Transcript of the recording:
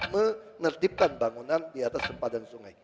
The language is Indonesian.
menertibkan bangunan di atas sempadan sungai